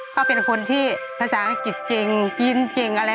เขาเป็นคนที่ภาษาอังกฤษเก่งกินเก่งอะไร